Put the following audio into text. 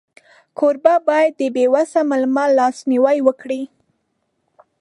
کوربه باید د بېوسه مېلمه لاسنیوی وکړي.